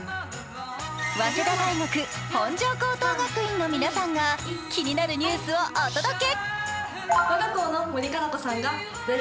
早稲田大学本庄高等学院の皆さんが気になるニュースをお届け。